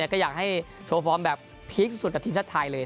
ก็อยากให้โชว์ฟอร์มแบบพีคสุดกับทีมชาติไทยเลย